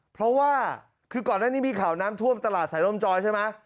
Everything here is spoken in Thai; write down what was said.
เพราะว่าก่อนนั้นนี่มีข่าน้ำทวมตลาดสายลมจอยใช่ไหม